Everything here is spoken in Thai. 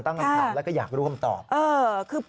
ต้องกำคับแล้วก็อยากร่วมตอบ